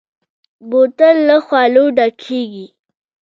بوتل له خولو ډک کېږي.